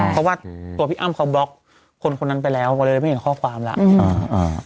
เพราะว่าตัวพี่อ้ำเขาบล็อกคนคนนั้นไปแล้วก็เลยไม่เห็นข้อความแล้ว